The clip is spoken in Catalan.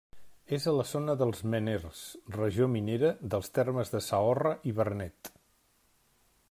És a la zona dels Meners, regió minera, dels termes de Saorra i Vernet.